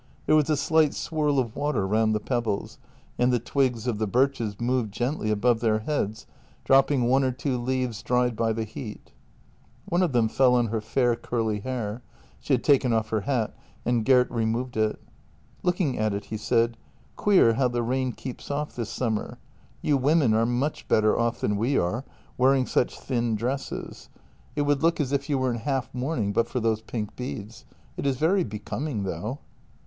There was a slight swirl of water round the pebbles, and the twigs of the birches moved gently above their heads, dropping one or two leaves dried by the heat. One of them fell on her fair curly hair — she had taken off her hat — and Gert removed it. Looking at it, he said :" Queer how the rain keeps off this summer. You women are much better off than we are, wearing such thin dresses. It 228 JENNY would look as if you were in half mourning but for those pink beads. It is very becoming, though."